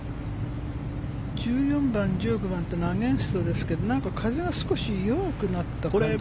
１４番、１５番はアゲンストですけどなんか風が少し弱くなった感じが。